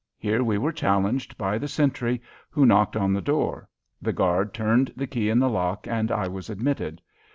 Here we were challenged by the sentry, who knocked on the door; the guard turned the key in the lock and I was admitted.